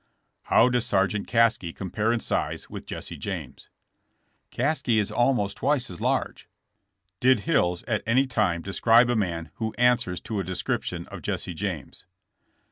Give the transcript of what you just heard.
"How does Sergeant Caskey compare in size with Jesse James ?''*' Caskey is almost twice as large. '' *'Did Hills at any time describe a man who an answer to a description of Jesse James."